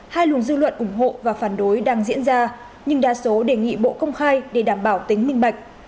hai luồng dư luận ủng hộ và phản đối đang diễn ra nhưng đa số đề nghị bộ công khai để đảm bảo tính minh bạch